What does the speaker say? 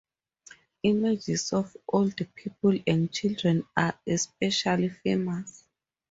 Images of old people and children are especially famous.